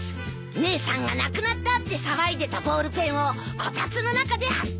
姉さんがなくなったって騒いでたボールペンをこたつの中で発見。